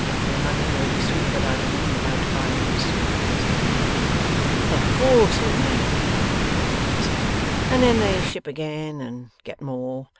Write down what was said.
Their money may be soon got out of them, without violence,' said the man. 'Of course it may,' said Pleasant; 'and then they ship again and get more.